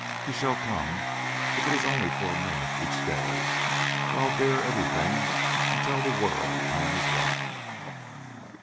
He shall come, if it is only for a moment each day, or I'll dare every thing and tell the world I am his wife."